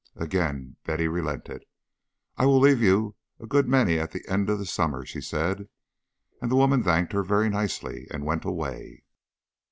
Again Betty relented. "I will leave you a good many at the end of the summer," she said. And the woman thanked her very nicely and went away.